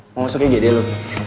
mau masuk gd lu